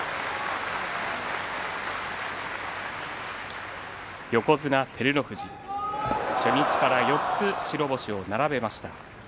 拍手横綱照ノ富士初日から４つ白星を並べました。